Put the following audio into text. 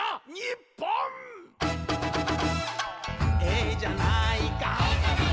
「ええじゃないか」